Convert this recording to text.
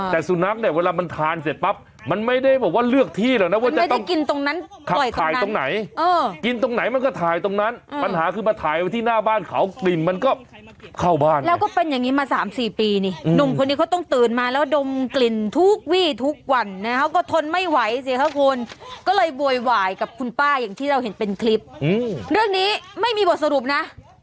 แต่สู่นักเนี่ยเวลามันทานเสร็จปั๊บมันไม่ได้บอกว่าเลือกที่หรอกนะ